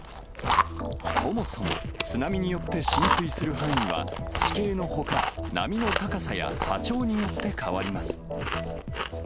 そもそも津波によって浸水する範囲は、地形のほか、波の高さや波長によって変わります。